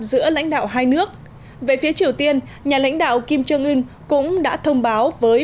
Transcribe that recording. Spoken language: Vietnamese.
thượng đỉnh với hai nước về phía triều tiên nhà lãnh đạo kim jong un cũng đã thông báo với